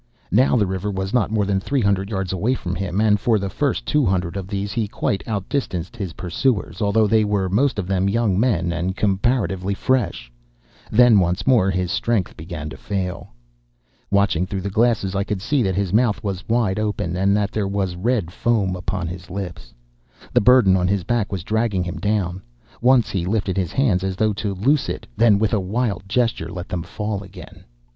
Now the river was not more than three hundred yards away from him, and for the first two hundred of these he quite outdistanced his pursuers, although they were most of them young men and comparatively fresh. Then once more his strength began to fail. "Watching through the glasses, I could see that his mouth was wide open, and that there was red foam upon his lips. The burden on his back was dragging him down. Once he lifted his hands as though to loose it; then with a wild gesture let them fall again.